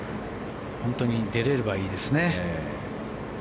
本当に出れればいいですね。